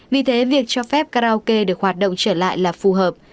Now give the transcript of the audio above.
vì thế việc cho phép karaoke được hoạt động trở lại là phù hợp